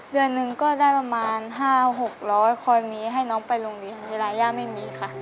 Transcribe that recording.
เดือนหนึ่งก็ได้ประมาณ๕๖๐๐คอยมีให้น้องไปโรงเรียนเวลาย่าไม่มีค่ะ